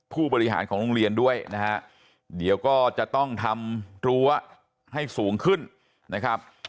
ผู้บริหารของโรงเรียนด้วยนะฮะเดี๋ยวก็จะต้องทำรั้วให้สูงขึ้นนะครับ